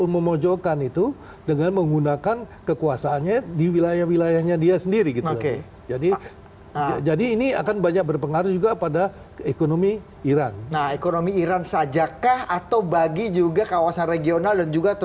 pemerintah iran berjanji akan membalas serangan amerika yang tersebut